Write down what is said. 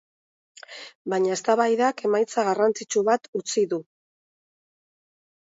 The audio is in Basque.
Baina eztabaidak emaitza garrantzitsu bat utzi du.